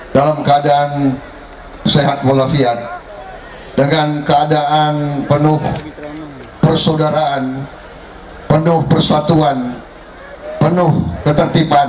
dalam keadaan sehat walafiat dengan keadaan penuh persaudaraan penuh persatuan penuh ketertiban